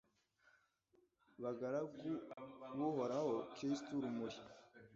bagaragu b'uhoraho, kristu, rumuri